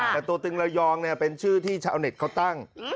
แต่ตัวตึงระยองเป็นชื่อที่ชาวเน็ตเขาตั้ง